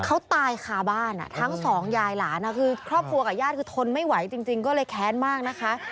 เขาตายคาบ้านทั้งสองยายหลานคือครอบครัวกับญาติคือทนไม่ไหวจริงก็เลยแค้นมากนะคะ